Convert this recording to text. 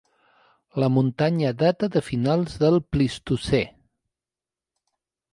La muntanya data de finals del Plistocè.